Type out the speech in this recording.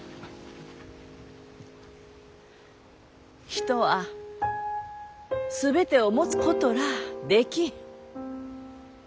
人は全てを持つことらあできん。